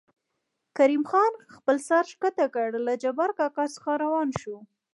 کريم خپل سر ښکته کړ له جبار کاکا څخه راوان شو.